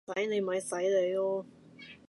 跣你咪跣你囉